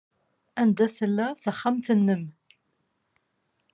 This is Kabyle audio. Anda tella texxamt-nnem?